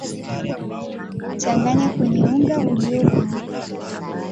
changanya kwenye unga ulioumka